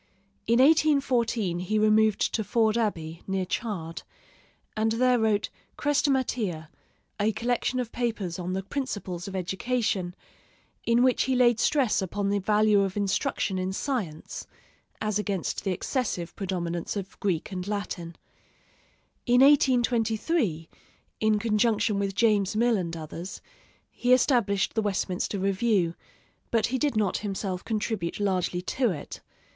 In 1814 he removed to Ford Abbey, near Chard, and there wrote 'Chrestomathea,' a collection of papers on the principles of education, in which he laid stress upon the value of instruction in science, as against the excessive predominance of Greek and Latin. In 1823, in conjunction with James Mill and others, he established the Westminster Review, but he did not himself contribute largely to it.